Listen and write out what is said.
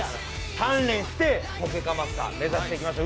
鍛錬してポケカマスター目指していきましょう。